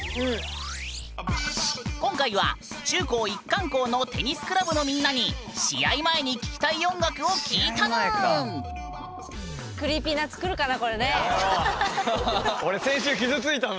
今回は中高一貫校のテニスクラブのみんなに試合前に聞きたい音楽を聞いたぬーん！